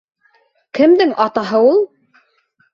«КЕМДЕҢ АТАҺЫ УЛ?»